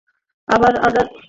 আমরা রাডারের বাইরের এলাকায় আছি।